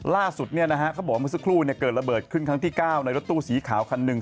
ล่าสุดเขาบอกว่าเมื่อสักครู่เกิดระเบิดขึ้นครั้งที่๙ในรถตู้สีขาวคันหนึ่ง